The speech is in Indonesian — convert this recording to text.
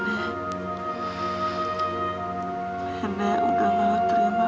nenek udah mau terima aku